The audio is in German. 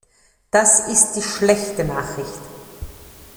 Das ist die schlechte Nachricht.